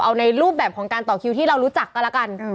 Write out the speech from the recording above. เอาในรูปแบบของการต่อคิวที่เรารู้จักก็แล้วกัน